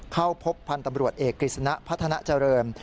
เข้าพบพันธ์ตำรวจเอกกฤษณะพัฒนาเจริญ